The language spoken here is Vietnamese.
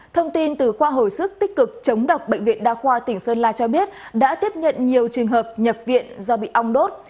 thông tin từ khoa hồi sức tích cực chống độc bệnh viện đa khoa tỉnh sơn la cho biết đã tiếp nhận nhiều trường hợp nhập viện do bị ong đốt